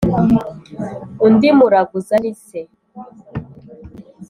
Undi muraguza ni se